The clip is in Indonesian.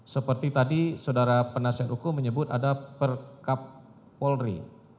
seperti tadi saudara penasihat hukum menyebut ada perkapolri